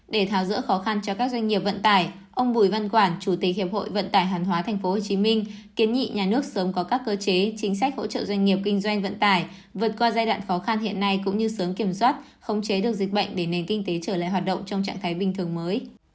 để tháo dỡ khó khăn cho các doanh nghiệp vận tải ông bùi văn quản chủ tịch hiệp hội vận tải hàng hóa tp hcm kiến nghị nhà nước sớm có các cơ chế chính sách hỗ trợ doanh nghiệp kinh doanh vận tải vượt qua giai đoạn khó khăn hiện nay cũng như sớm kiểm soát khống chế được dịch bệnh để nền kinh tế trở lại hoạt động trong trạng thái bình thường mới